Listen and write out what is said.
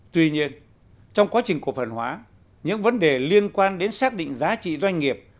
tuy nhiên trong quá trình cổ phần hóa những vấn đề liên quan đến xác định giá trị doanh nghiệp